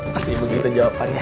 masih begitu jawabannya